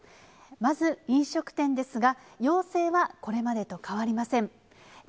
まず飲食店ですが、要請はこれまでと変わりません。